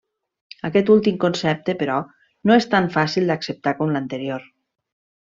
Aquest últim concepte però, no és tan fàcil d'acceptar com l'anterior.